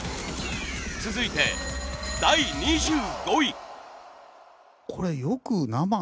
続いて第２５位。